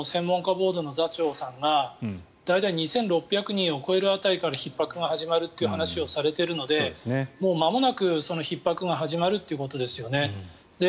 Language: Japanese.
ボードの座長さんが大体２６００人を超える辺りからひっ迫が始まるという話をされているのでもうまもなく、そのひっ迫が始まるということですよね。